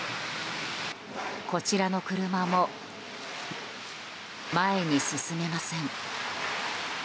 こちらの車も、前に進めません。